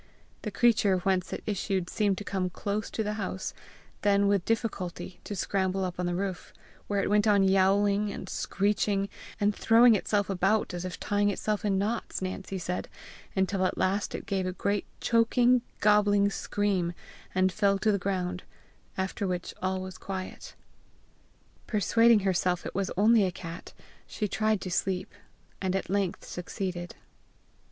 The creature whence it issued seemed to come close to the house, then with difficulty to scramble up on the roof, where it went on yowling, and screeching, and throwing itself about as if tying itself in knots, Nancy said, until at last it gave a great choking, gobbling scream, and fell to the ground, after which all was quiet. Persuading herself it was only a cat, she tried to sleep, and at length succeeded.